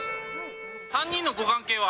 ３人のご関係は？